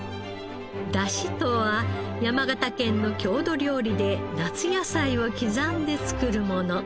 だしとは山形県の郷土料理で夏野菜を刻んで作るもの。